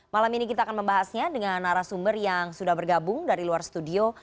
malam ini kita akan membahasnya dengan narasumber yang sudah bergabung dari luar studio